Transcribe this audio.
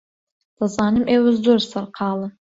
دەزانم ئێوە زۆر سەرقاڵن.